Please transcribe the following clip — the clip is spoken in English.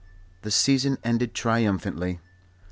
The season ended triumphantly.